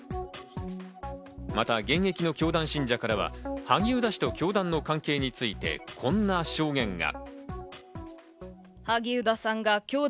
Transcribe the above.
また現役の教団信者からは萩生田氏と教団の関係についてこんな証言が。